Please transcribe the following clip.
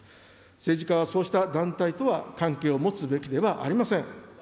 政治家はそうした団体とは関係を持つべきではありません。